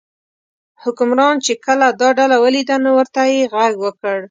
حکمران چې کله دا ډله ولیده نو ورته یې غږ وکړ.